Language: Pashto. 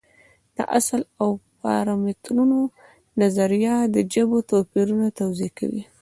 د اصل او پارامترونو نظریه د ژبو توپیرونه توضیح کوي.